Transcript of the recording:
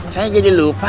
saya jadi lupa